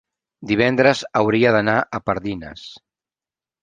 divendres hauria d'anar a Pardines.